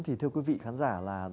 thì thưa quý vị khán giả là